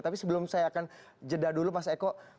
tapi sebelum saya akan jeda dulu mas eko